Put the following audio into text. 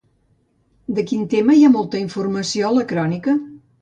De quin tema hi ha molta informació a la crònica?